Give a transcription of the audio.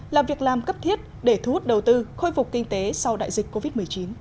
là việc làm cấp thiết để thu hút đầu tư khôi phục kinh tế sau đại dịch covid một mươi chín